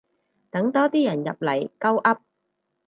等多啲人入嚟鳩噏